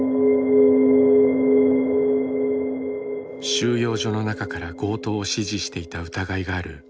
収容所の中から強盗を指示していた疑いがあるルフィグループ。